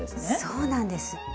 そうなんです。